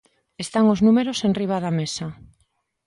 Están os números enriba da mesa.